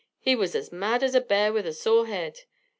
He was as mad as a bear with a sore head.